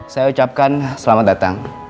saya ucapkan selamat datang